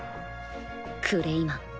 クレイマン